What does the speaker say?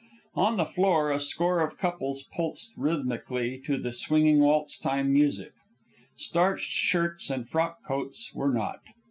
On the floor a score of couples pulsed rhythmically to the swinging waltz time music. Starched shirts and frock coats were not.